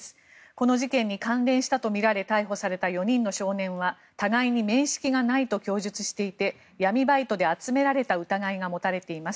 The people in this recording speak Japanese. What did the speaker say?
この事件に関連したとみられ逮捕された４人の少年は互いに面識がないと供述していて闇バイトで集められた疑いが持たれています。